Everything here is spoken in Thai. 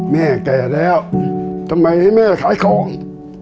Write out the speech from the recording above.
แม่แก่แล้วทำไมให้แม่ขายของ